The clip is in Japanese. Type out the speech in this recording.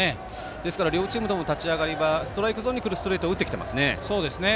ですから両チームとも立ち上がりはストライクゾーンにくるストレートを打ってきてますね。